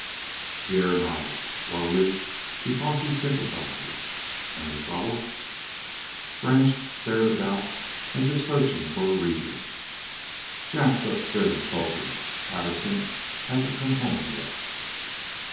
Pierre nodded, slowly, because he sympathized. "And the trouble?" Branch stared about as if searching for a reason. "Jack's upstairs sulking; Patterson hasn't come home yet."